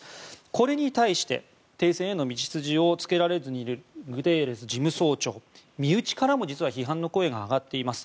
これに対して、停戦への道筋をつけられずにいるグテーレス事務総長は身内からも批判の声が上がっています。